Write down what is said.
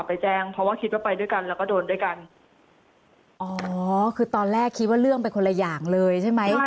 ไปแจ้งเพราะว่าคิดว่าไปด้วยกันแล้วก็โดนด้วยกันอ๋อคือตอนแรกคิดว่าเรื่องไปคนละอย่างเลยใช่ไหม